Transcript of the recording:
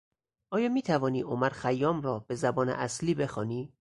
آیا میتوانی عمرخیام را به زبان اصلی بخوانی؟